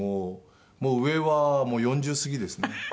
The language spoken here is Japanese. もう上はもう４０過ぎですね。